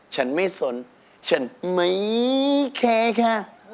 ฉันไม่สนฉันไม่เคยค่ะ